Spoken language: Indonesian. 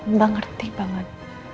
mbak ngerti banget